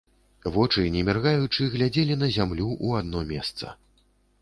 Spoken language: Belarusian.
Вочы не міргаючы глядзелі на зямлю ў адно месца.